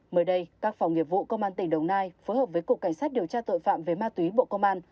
mới đây các phòng nghiệp vụ công an tỉnh đồng nai phối hợp với cục cảnh sát điều tra tội phạm về ma túy bộ công an